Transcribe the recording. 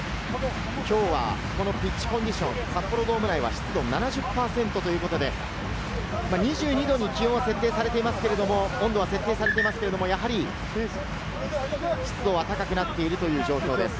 きょうのピッチコンディション、札幌ドーム内は湿度７０％ということで、２２度に気温は設定されていますけれど、やはり湿度は高くなっているという状況です。